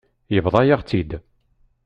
Yebḍa-yaɣ-tt-id.